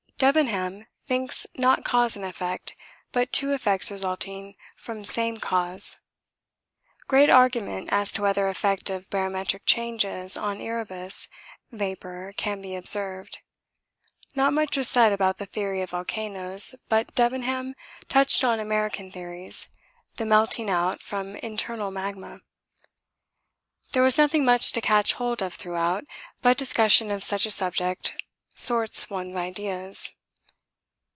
Debenham thinks not cause and effect, but two effects resulting from same cause. Great argument as to whether effect of barometric changes on Erebus vapour can be observed. Not much was said about the theory of volcanoes, but Debenham touched on American theories the melting out from internal magma. There was nothing much to catch hold of throughout, but discussion of such a subject sorts one's ideas.